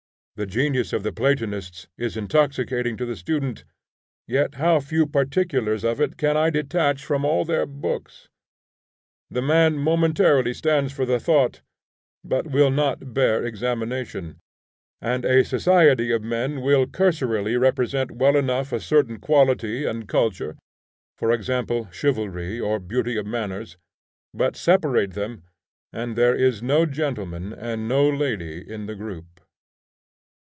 The genius of the Platonists is intoxicating to the student, yet how few particulars of it can I detach from all their books. The man momentarily stands for the thought, but will not bear examination; and a society of men will cursorily represent well enough a certain quality and culture, for example, chivalry or beauty of manners; but separate them and there is no gentleman and no lady in the group.